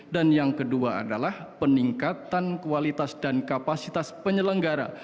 yang kedua adalah peningkatan kualitas dan kapasitas penyelenggara